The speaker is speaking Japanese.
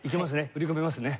売り込めますね？